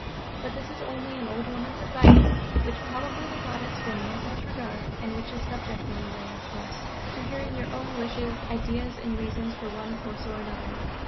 But this is only an old woman's advice: which probably the Goddess will not much regard and which is subject any way, of course, to hearing your own wishes, ideas and reasons for one course or another....